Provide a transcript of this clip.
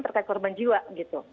terkait korban jiwa gitu